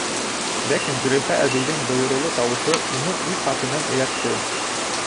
Ләкин Зөләйха әбейҙең бойороулы тауышы уны үҙ артынан эйәртте.